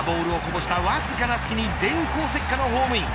ショートがボールをこぼしたわずかな隙に電光石火のホームイン。